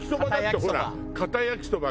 かた焼きそば。